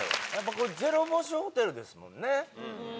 これ「ゼロ星ホテル」ですもんね。